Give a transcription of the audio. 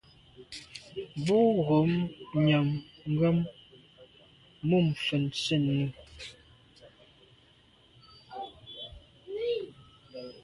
Bo ghom nyàm gham mum fèn sènni.